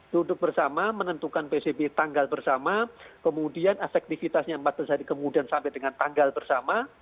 duduk bersama menentukan psbb tanggal bersama kemudian efektivitasnya empat belas hari kemudian sampai dengan tanggal bersama